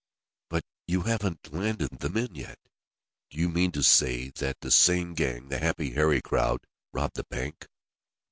"But you haven't landed the men yet. Do you mean to say that the same gang the Happy Harry crowd robbed the bank?"